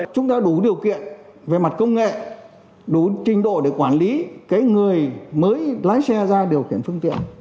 chúng ta đủ điều kiện về mặt công nghệ đủ trình độ để quản lý người mới lái xe ra điều khiển phương tiện